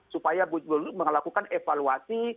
supaya melakukan evaluasi